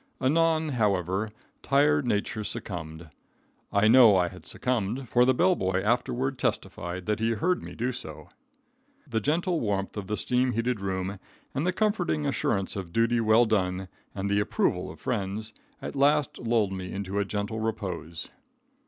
Anon, however, tired nature succumbed. I know I had succumbed, for the bell boy afterward testified that he heard me do so. The gentle warmth of the steam heated room, and the comforting assurance of duty well done and the approval of friends, at last lulled me into a gentle repose.